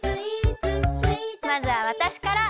まずはわたしから。